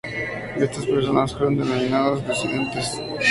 Estas personas fueron denominados disidentes.